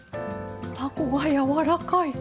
たこがやわらかい。